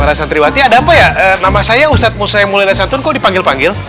para santriwati ada apa ya nama saya ustaz musa m santun kok dipanggil panggil